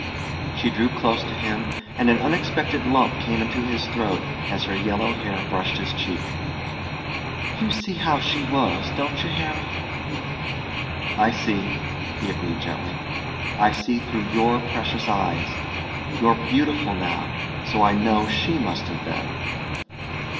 She drew close to him and an unexpected lump came into his throat as her yellow hair brushed his cheek. "You see how she was, don't you Harry?" "I see," he agreed gently. "I see through your precious eyes. You're beautiful now, so I know she must have been."